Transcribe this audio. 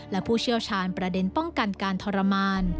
และผู้เชี่ยวชาญประเด็นป้องกันการทรมาน